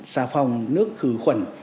xà phòng nước khử khuẩn